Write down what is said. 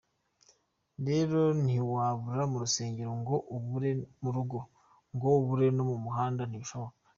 Rero ntiwabura mu rusengero, ngo ubure mu rugo, ngo ubure no mu muhanda, ntibishoboka.